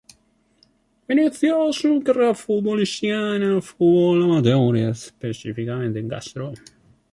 Inició su carrera futbolística en el fútbol amateur, específicamente en Castro.